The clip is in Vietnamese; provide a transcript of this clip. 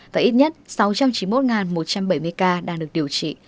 và ít nhất sáu trăm chín mươi một một trăm bảy mươi ca đang được điều trị